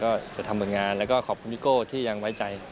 ก็จะทำผลงานแล้วก็ขอบคุณพี่โก้ที่ยังไว้ใจ